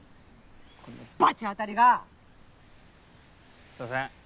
この罰当たりが！すいません。